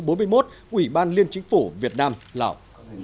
của ủy ban liên chính phủ việt nam lào